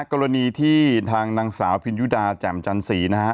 กรณีที่ทางนางสาวพินยุดาแจ่มจันสีนะฮะ